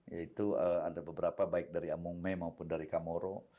yaitu ada beberapa baik dari amungme maupun dari kamoro